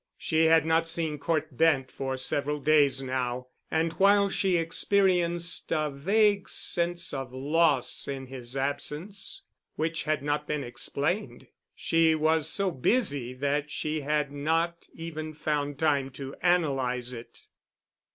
She had not seen Cort Bent for several days now, and, while she experienced a vague sense of loss in his absence, which had not been explained, she was so busy that she had not even found time to analyze it.